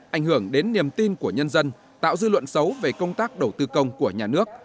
ảnh hưởng đến niềm tin của nhân dân tạo dư luận xấu về công tác đầu tư công của nhà nước